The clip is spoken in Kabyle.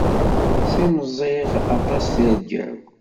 Ssimẓiɣ aṭas tirga-w.